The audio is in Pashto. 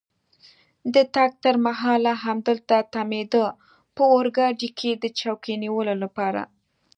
د تګ تر مهاله همدلته تمېده، په اورګاډي کې د چوکۍ نیولو لپاره.